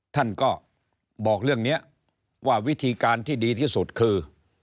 ท่านก็บอกเรื่องนี้ว่าวิธีการที่ดีที่สุดคือ